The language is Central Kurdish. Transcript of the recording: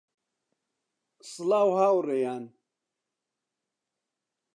سڵاو هاوڕێیان